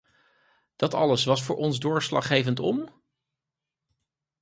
Dat alles was voor ons doorslaggevend om ?